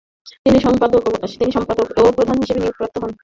তিনি সম্পাদক ও প্রধান হিসেবে নিয়োগপ্রাপ্ত হন।